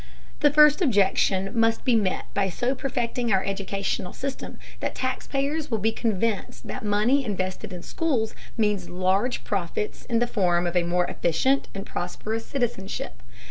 The first objection must be met by so perfecting our educational system that taxpayers will be convinced that money invested in schools means large profits in the form of a more efficient and prosperous citizenship.